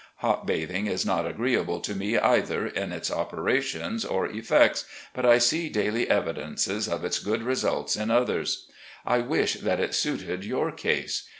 Hot bathing is not agreeable to me either in its operations or effects, but I see daily evidences of its good results in others. I wish that it suited your case.